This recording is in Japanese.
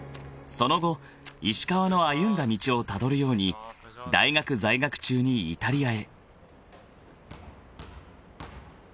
［その後石川の歩んだ道をたどるように大学在学中にイタリアへ］